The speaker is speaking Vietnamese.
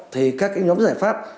thì các cái nhóm giải pháp